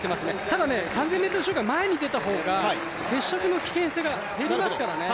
ただ、３０００ｍ障害は前に出た方が接触の危険性が減りますからね。